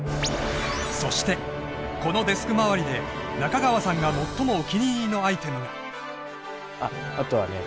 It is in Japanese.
そしてこのデスク周りで中川さんが最もお気に入りのアイテムがあっあとはね